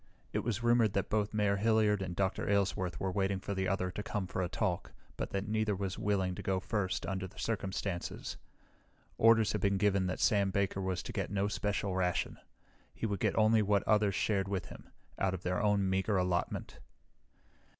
It was rumored that both Mayor Hilliard and Dr. Aylesworth were waiting for the other to come for a talk, but that neither was willing to go first under the circumstances. Orders had been given that Sam Baker was to get no special ration. He would get only what others shared with him out of their own meager allotment.